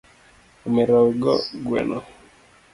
Omera wego gueno